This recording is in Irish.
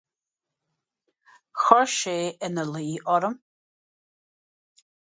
Chuir sé ina luí orm.